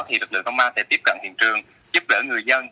thì lực lượng công an sẽ tiếp cận hiện trường giúp đỡ người dân